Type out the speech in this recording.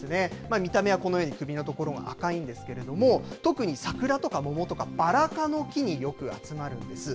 見た目はこのように首の所が赤いんですけれども、特に桜とか桃とか、バラ科の木によく集まるんです。